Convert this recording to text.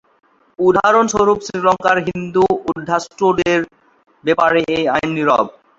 উদাহরণস্বরূপ শ্রীলঙ্কার হিন্দু উদ্বাস্তুদের ব্যাপারে এই আইন নীরব।